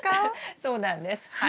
そうなんですはい。